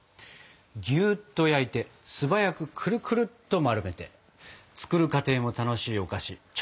ぎゅっと焼いて素早くくるくるっと丸めて作る過程も楽しいお菓子チャルドーニ。